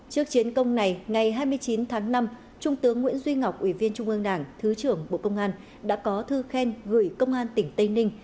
trước chiến công này ngày hai mươi chín tháng năm trung tướng nguyễn duy ngọc ủy viên trung ương đảng thứ trưởng bộ công an đã có thư khen gửi công an tỉnh tây ninh